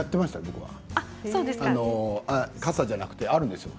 僕は傘じゃなくてあるんですよ